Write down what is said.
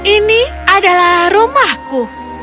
ini adalah rumahku